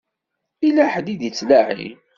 Yella ḥedd i d-ittlaɛin.